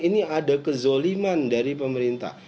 ini ada kezoliman dari pemerintah